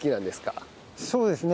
そうですね。